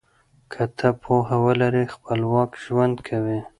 که ته پوهه ولرې خپلواک ژوند کوې.